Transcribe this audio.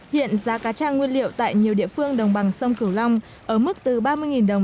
hiện giá cá cha nguyên liệu tại nhiều địa phương đồng bằng sông cửu long ở mức từ ba mươi đồng đến ba mươi một đồng